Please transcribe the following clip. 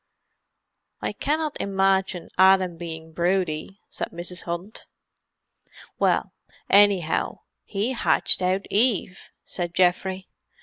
"I cannot imagine Adam being broody," said Mrs. Hunt. "Well, anyhow, he hatched out Eve!" said Geoffrey.